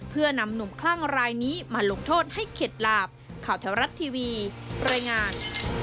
เพื่อนำหนุ่มคลั่งรายนี้มาลงโทษให้เข็ดหลาบข่าวแถวรัฐทีวีรายงาน